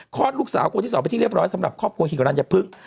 คลอดลูกสาวกลที่๒ไปที่เรียบร้อยสำหรับครอบครัวฮิกรันต์จับพึก